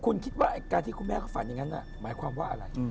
คุณคิดว่าการที่คุณแม่เขาฝันอย่างนั้นหมายความว่าอะไร